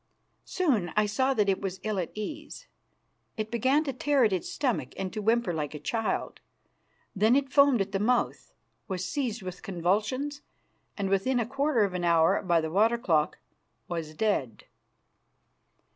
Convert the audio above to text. Soon I saw that it was ill at ease. It began to tear at its stomach and to whimper like a child. Then it foamed at the mouth, was seized with convulsions, and within a quarter of an hour by the water clock was dead.